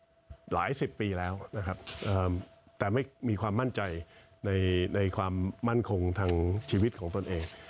หลายสิบปีแล้วนะครับแต่ไม่มีความมั่นใจในความมั่นคงทางชีวิตของตนเอง